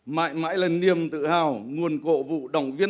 mãi mãi là niềm tự hào nguồn cổ vụ động viên